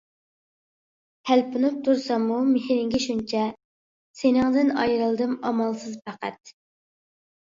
تەلپۈنۈپ تۇرساممۇ مېھرىڭگە شۇنچە، سېنىڭدىن ئايرىلدىم ئامالسىز پەقەت.